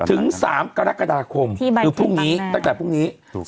ถึง๓กรกฎาคมคือพรุ่งนี้ตั้งแต่พรุ่งนี้